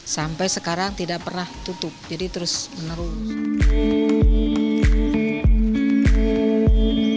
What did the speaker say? sampai sekarang tidak pernah tutup jadi terus menerus